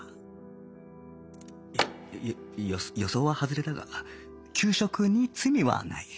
よ予想は外れたが給食に罪はない